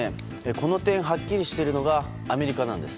この点、はっきりしているのがアメリカです。